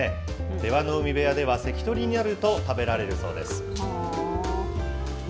出羽海部屋では、関取になると食べられるそうです。